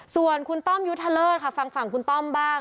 ส่วนคุณต้อมยุทธเลิศค่ะฟังฝั่งคุณต้อมบ้าง